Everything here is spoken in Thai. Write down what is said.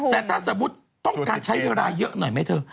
แต่ถ้าสมมุติต้องการใช้เวลาเยอะหน่อยไหมเธอ